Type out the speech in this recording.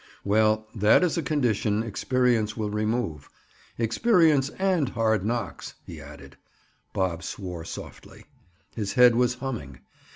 "Well, that is a condition experience will remove. Experience and hard knocks," he added. Bob swore softly. His head was humming.